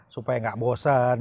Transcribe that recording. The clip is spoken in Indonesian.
supaya gak bosan supaya gak jenuh